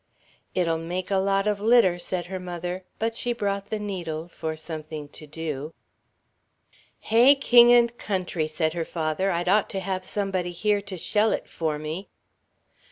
"It'll make a lot of litter," said her mother, but she brought the needle, for something to do. "Hey, king and country," said her father; "I'd ought to have somebody here to shell it for me."